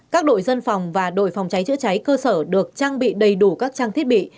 các đội dân phòng và đội phòng cháy chữa cháy cơ sở được trang bị đầy đủ các trang thiết bị